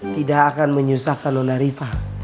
tidak akan menyusahkan nona riva